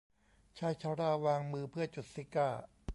ชายชราวางมือเพื่อจุดซิการ์